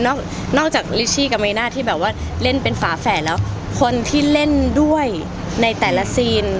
นอกนอกจากที่แบบว่าเล่นเป็นฝาแฝนแล้วคนที่เล่นด้วยในแต่ละซีน